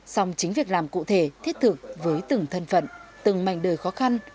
song chính việc làm cụ thể thiết thực với từng thân phận từng mảnh đời khó khăn